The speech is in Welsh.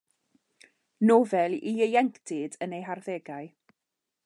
Nofel i ieuenctid yn eu harddegau.